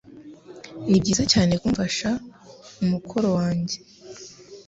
Nibyiza cyane kumfasha mukoro kanjye.